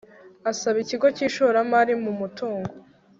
asaba ikigo cy ishoramari mu mutungo